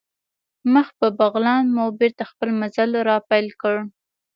مخ په بغلان مو بېرته خپل مزل را پیل کړ.